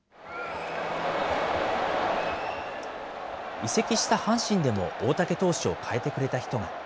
移籍した阪神でも大竹投手を変えてくれた人が。